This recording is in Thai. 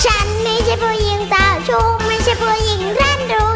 ฉันไม่ใช่ผู้หญิงเตาชูไม่ใช่ผู้หญิงรั่นดู